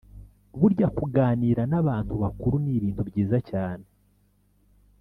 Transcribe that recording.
Burya kuganira n'abantu bakuru ni ibintu byiza cyane.